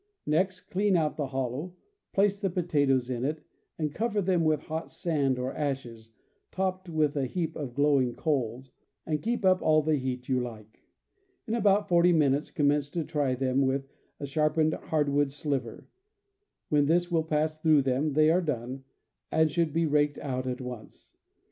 Next, clean out the hollow, place the potatoes in it, and cover them with hot sand or ashes, topped with a heap of glowing coals, and keep up all the heat you like. In about forty minutes commence to try them with a sharpened hard wood sliver; when this will pass through them they are done, and should be raked out at once.